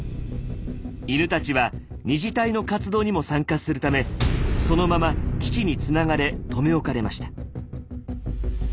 犬たちは２次隊の活動にも参加するためそのまま基地につながれ留め置かれました。